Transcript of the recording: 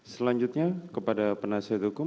selanjutnya kepada penasihat hukum